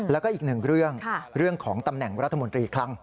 แล้วก็อีกหนึ่งเรื่องเรื่องของตำแหน่งรัฐมนตรีคลัง